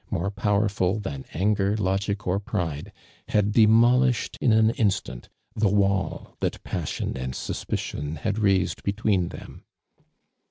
more powerful than anger, logic or pride, had demolished in an instant the wall that passion and sus picion had raisoil between them.